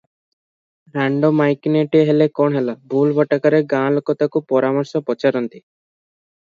ରାଣ୍ଡ ମାଇକିନିଆଟିଏ ହେଲେ କଣ ହେଲା, ଭୁଲ ଭଟକାରେ ଗାଁ ଲୋକେ ତାକୁ ପରାମର୍ଶ ପଚାରନ୍ତି ।